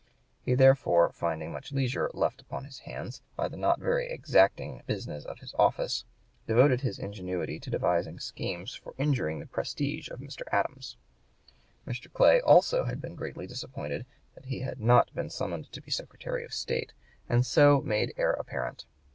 He, therefore, finding much leisure left upon his hands by the not very exacting business of his office, devoted his ingenuity to devising schemes for injuring the prestige of Mr. Adams. Mr. Clay also had been greatly disappointed that he had not been summoned to be Secretary of State, and so made heir apparent.